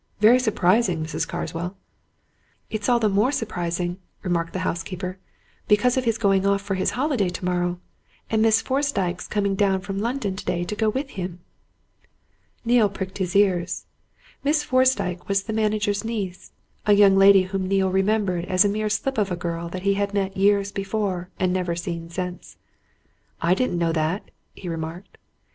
"Very surprising, Mrs. Carswell." "It's all the more surprising," remarked the housekeeper, "because of his going off for his holiday tomorrow. And Miss Fosdyke's coming down from London today to go with him." Neale pricked his ears. Miss Fosdyke was the manager's niece a young lady whom Neale remembered as a mere slip of a girl that he had met years before and never seen since. "I didn't know that," he remarked.